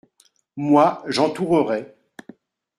Moi, j’entourerai.